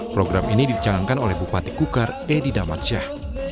program ini dicanangkan oleh bupati kukar edi damansyah